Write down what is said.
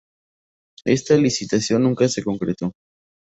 Esta licitación nunca se concretó.